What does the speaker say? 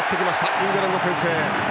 イングランド、先制。